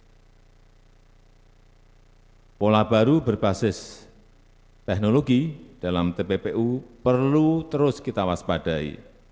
jadi pola baru berbasis teknologi dalam tppu perlu terus kita waspadai